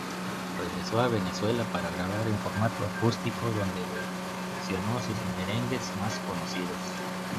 Regresó a Venezuela para grabar en formato acústico, donde versionó sus merengues más conocidos.